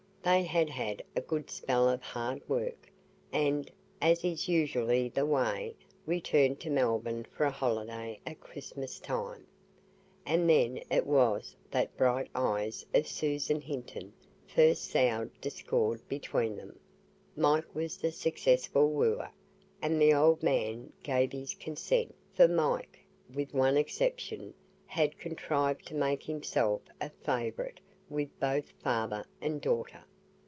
They had had a good spell of hard work, and, as is usually the way, returned to Melbourne for a holiday at Christmas time; and then it was that the bright eyes of Susan Hinton first sowed discord between them. Mike was the successful wooer, and the old man gave his consent; for Mike, with one exception, had contrived to make himself a favourite with both father and daughter.